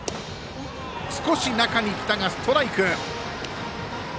少し中にきたがストライク！